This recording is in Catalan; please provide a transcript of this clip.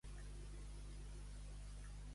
Fanfàrria, arrogància vana!